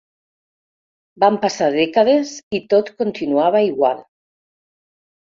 Van passar dècades i tot continuava igual.